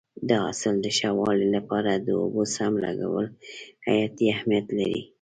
د حاصل د ښه والي لپاره د اوبو سم لګول حیاتي اهمیت لري.